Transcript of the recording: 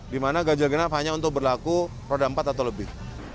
di mana ganjil genap hanya untuk berlaku roda empat atau lebih